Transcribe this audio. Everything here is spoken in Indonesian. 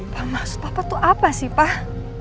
pak maksud papa tuh apa sih pak